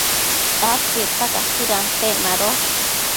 adquiecta cacuidampec mado